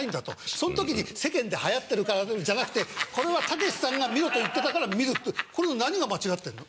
その時に世間で流行ってるからじゃなくてこれはたけしさんが見ろと言ってたから見るってこれの何が間違ってるの？